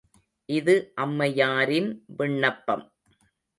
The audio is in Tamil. இது அம்மையாரின் விண்ணப்பம்.